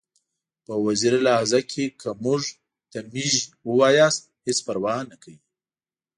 په وزیري لهجه کې که موږ ته میژ ووایاست هیڅ پروا نکوي!